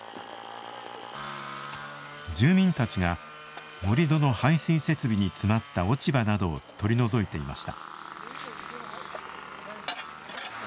住民たちが盛土の排水設備に詰まった落ち葉などを取り除いていました。